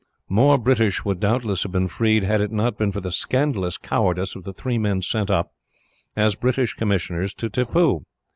"More British would doubtless have been freed, had it not been for the scandalous cowardice of the three men sent up, as British commissioners, to Tippoo.